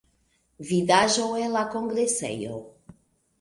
Vidaĵo el la kongresejo.